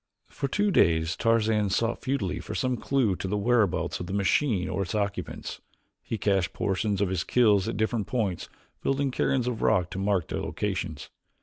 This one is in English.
For two days Tarzan sought futilely for some clew to the whereabouts of the machine or its occupants. He cached portions of his kills at different points, building cairns of rock to mark their locations.